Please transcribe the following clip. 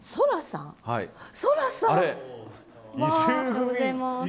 おはようございます。